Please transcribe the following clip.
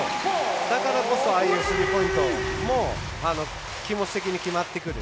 だからこそああいうスリーポイントも気持ち的に決まってくる。